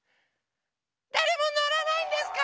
だれものらないんですか？